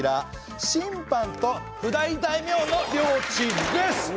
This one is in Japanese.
親藩と譜代大名の領地です。